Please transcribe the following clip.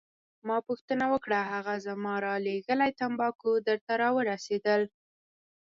ما پوښتنه وکړه: هغه زما رالیږلي تمباکو درته راورسیدل؟